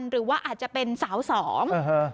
หรือว่าอาจจะเป็นสาวสอง